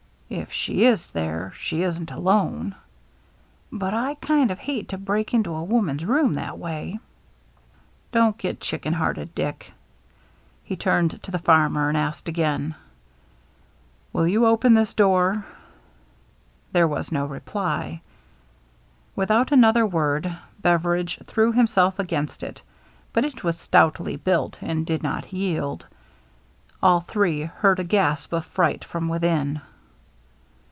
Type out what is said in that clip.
" If she is there, she isn't alone." " But I kind of hate to break into a woman's room this way." " Don't get chicken hearted, Dick." He turned to the farmer and asked again, "Will you open this door ?" There was no reply. Without another word Beveridge threw himself against it; but it was stoutly buUt and did not yield. All three heard a gasp of fright from within.